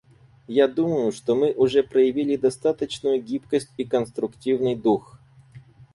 Я думаю, что мы уже проявили достаточную гибкость и конструктивный дух.